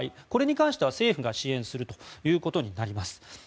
これに関しては政府が支援するということになります。